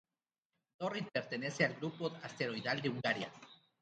Dorrit pertenece al grupo asteroidal de Hungaria.